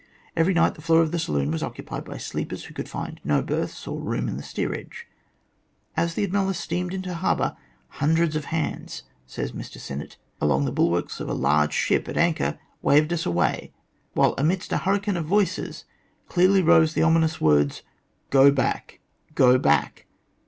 Every night the floor of the saloon was occupied by sleepers who could find no berths or room in the steerage. As the Admella steamed into harbour, " hundreds of hands," says Mr Sinnett, " along the bulwarks of a large ship at anchor waved us away ; while, amid a hurricane of voices, clearly rose the ominous words, 'Go back!' 'Go back!'